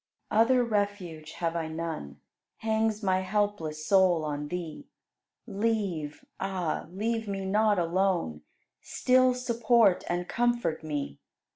70. Other refuge have I none; Hangs my helpless soul on Thee: Leave, ah! leave me not alone, Still support and comfort me.